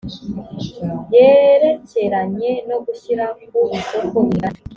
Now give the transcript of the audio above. yerekeranye no gushyira ku isoko imigabane